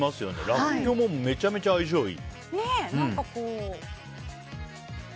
らっきょうもめちゃめちゃ相性いい。